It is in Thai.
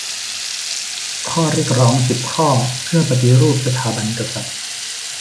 ข้อเรียกร้องสิบข้อเพื่อปฏิรูปสถาบันกษัตริย์